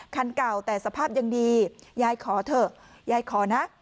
คันเก่าแต่สภาพยังดียายขอเถอะยายขอนะ